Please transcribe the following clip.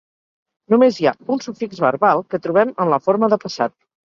Només hi ha un sufix verbal, que trobem en la forma de passat.